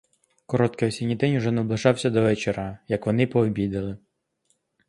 Короткий осінній день уже наближався до вечора, як вони пообідали.